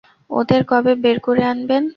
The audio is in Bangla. ওদের কবে বের করে আনবেন?